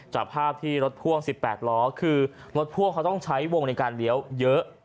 จากภาพที่รถพ่วง๑๘ล้อคือรถพ่วงเขาต้องใช้วงในการเลี้ยวเยอะ